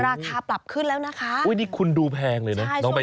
ราคาปรับขึ้นแล้วนะคะอุ้ยนี่คุณดูแพงเลยนะน้องใบตองใช่